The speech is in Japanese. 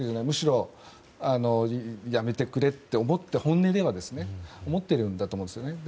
むしろやめてくれと本音では思ってるんだと思うんですね。